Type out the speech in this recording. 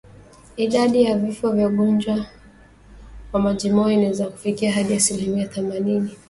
Idadi ya vifo vya ugonjwa wa majimoyo inaweza kufikia hadi asilimia themanini